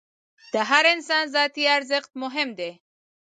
د هر انسان ذاتي ارزښت مهم دی.